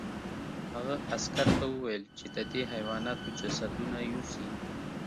هغه عسکر ته وویل چې د دې حیواناتو جسدونه یوسي